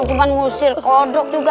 cuman ngusir kodok juga